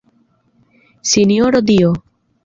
Sinjoro dio!